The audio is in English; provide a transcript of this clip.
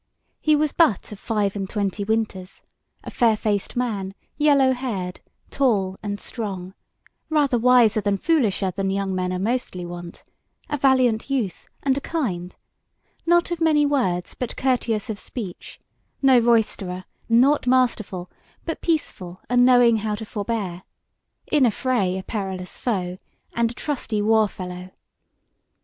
He was but of five and twenty winters, a fair faced man, yellow haired, tall and strong; rather wiser than foolisher than young men are mostly wont; a valiant youth, and a kind; not of many words but courteous of speech; no roisterer, nought masterful, but peaceable and knowing how to forbear: in a fray a perilous foe, and a trusty war fellow.